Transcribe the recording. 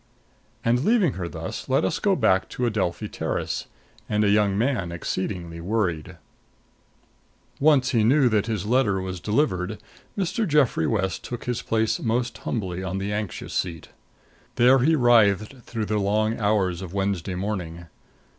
And leaving her thus, let us go back to Adelphi Terrace and a young man exceedingly worried. Once he knew that his letter was delivered, Mr. Geoffrey West took his place most humbly on the anxious seat. There he writhed through the long hours of Wednesday morning.